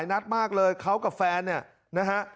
จะขัดแย้งกับร้านไหนหรือเปล่า